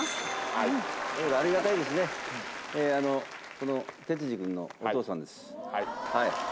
この徹二君のお父さんです。